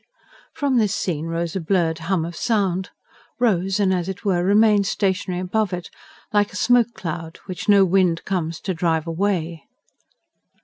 From this scene rose a blurred hum of sound; rose and as it were remained stationary above it like a smoke cloud, which no wind comes to drive away.